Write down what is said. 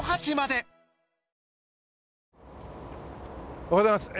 おはようございます。